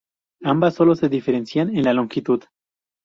Ambas solo se diferencian en la longitud.